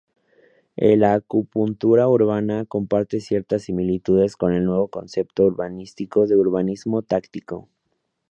La acupuntura urbana comparte ciertas similitudes con el nuevo concepto urbanístico de Urbanismo Táctico.